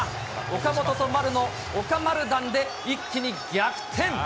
岡本と丸の岡丸弾で一気に逆転。